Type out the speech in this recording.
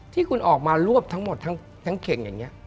ที่คุณออกมารวบทั้งหมดทั้งเข่งอย่างนี้